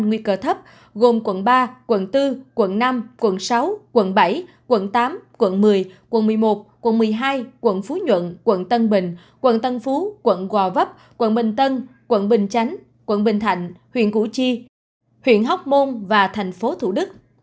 nguy cơ thấp gồm quận ba quận bốn quận năm quận sáu quận bảy quận tám quận một mươi quận một mươi một quận một mươi hai quận phú nhuận quận tân bình quận tân phú quận gò vấp quận bình tân quận bình chánh quận bình thạnh huyện củ chi huyện hóc môn và thành phố thủ đức